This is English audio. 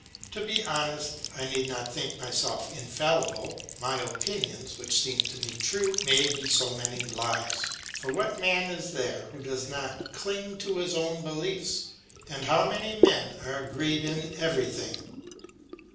To be honest I need not think myself infallible; my opinions, which seem to me true, may be so many lies; for what man is there who does not cling to his own beliefs; and how many men are agreed in everything?